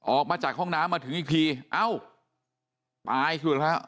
ออกมาจากห้องน้ำมาถึงอีกทีเอ้าตายสุดแล้ว